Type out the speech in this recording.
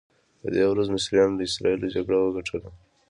په دې ورځ مصریانو له اسراییلو جګړه وګټله.